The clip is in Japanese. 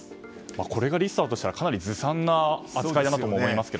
これがリストだとしたらずさんな扱いだと思いますが。